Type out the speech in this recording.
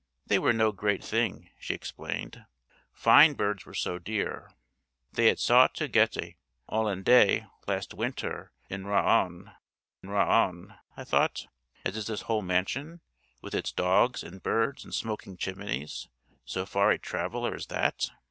They were no great thing, she explained. Fine birds were so dear. They had sought to get a Hollandais last winter in Rouen (Rouen? thought I; and is this whole mansion, with its dogs and birds and smoking chimneys, so far a traveller as that?